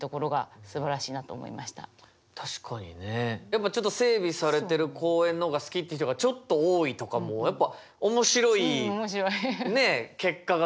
やっぱちょっと整備されてる公園の方が好きっていう人がちょっと多いとかもやっぱ面白いね結果が出てたり。